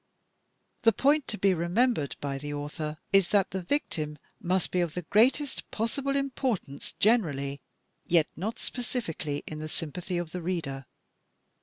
The point to be remembered by the author is that the victim must be of the greatest possible importance generally, yet not specifically in the sympathy of the reader.